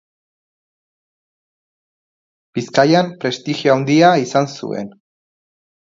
Bizkaian prestigio handia izan zuen.